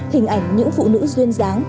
hình ảnh những phụ nữ duyên dáng